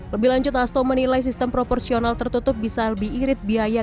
lebih lanjut hasto menilai sistem proporsional tertutup bisa lebih irit biaya